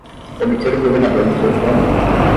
Obter o governador no telefone!